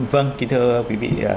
vâng kính thưa quý vị